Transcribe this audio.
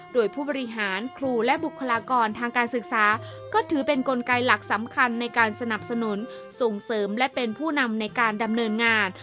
โดยผู้บริหารครูและบุคลากรทางการศึกษาก็ถือเป็นกลไกหลักสำคัญในการสนับสนุนส่งเสริมและเป็นผู้นำในการดำเนินงาน